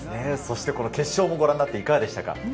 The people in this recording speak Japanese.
決勝をご覧になっていかがでしたか？